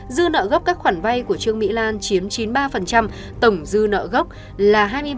dư nợ gốc các khoản vay của trương mỹ lan chiếm chín mươi ba tổng dư nợ gốc là hai mươi ba